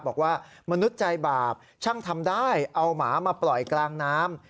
บอกว่ามนุษย์ใจบาปช่างทำได้เอาหมามาปล่อยกลางน้ำ